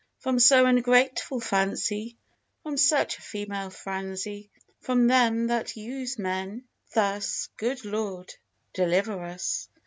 From so ungrateful fancy, From such a female franzy, From them that use men thus, Good Lord, deliver us!